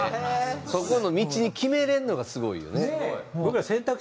そこの道に決めれるのがすごいよね。